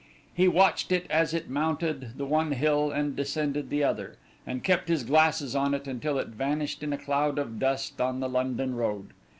He watched it as it mounted the one hill and descended the other, and kept his glasses on it until it vanished in a cloud of dust on the London road.